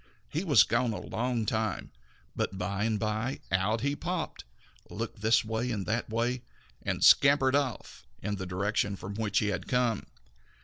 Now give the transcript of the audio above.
He was gone a long time, but by and by out he popped, looked this way and that way, and then scampered off in the direction from which he had come.